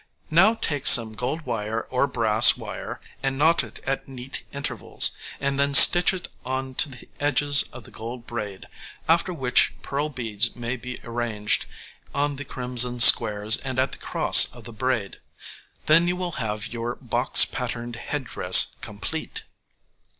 Now take some gold wire or brass wire and knot it at neat intervals, and then stitch it on to the edges of the gold braid, after which pearl beads may be arranged on the crimson squares and at the cross of the braid; then you will have your box patterned head dress complete.